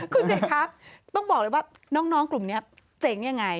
คุณสิคะต้องบอกเลยว่าน้องกลุ่มนี้เจ๋งยังไง